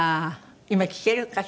今聞けるかしら？